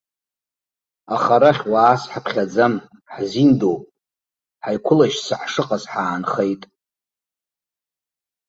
Аха арахь уаас ҳаԥхьаӡам, ҳзиндоуп, ҳаиқәылашьца ҳшыҟаз ҳаанхеит.